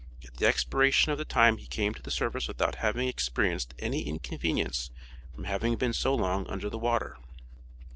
At the expiration of the time he came to the surface without having experienced any inconvenience from having been so long under the water.